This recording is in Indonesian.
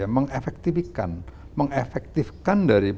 menggabungkan kepentingan yang ada di ksp dan menggabungkan kepentingan yang ada di ksp